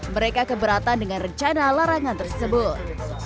mereka keberatan dengan rencana larangan tersebut